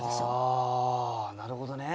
はあなるほどね。